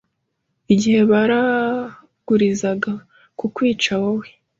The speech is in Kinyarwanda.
igihe baragurizaga kukwica wowe